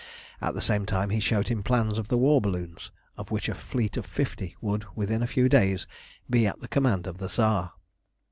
At the same time he showed him plans of the war balloons, of which a fleet of fifty would within a few days be at the command of the Tsar.